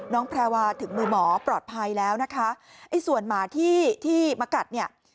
แพรวาถึงมือหมอปลอดภัยแล้วนะคะไอ้ส่วนหมาที่ที่มากัดเนี่ย